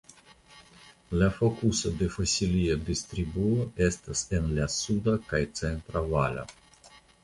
La fokuso de la fosilia distribuo estas en la suda kaj centra valo.